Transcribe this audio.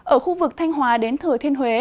ở khu vực thanh hòa đến thừa thiên huế